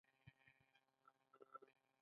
اساسي قانون هر اړخیز قانون دی.